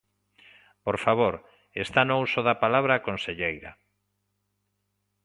Por favor, está no uso da palabra a conselleira.